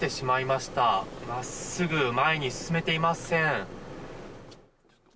まっすぐ前に進めていません。